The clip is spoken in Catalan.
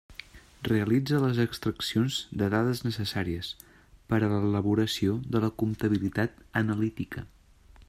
Realitza les extraccions de dades necessàries per a l'elaboració de la comptabilitat analítica.